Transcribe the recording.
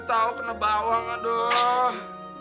tau kena bawang aduh